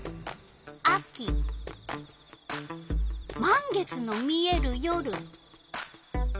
満月の見える夜。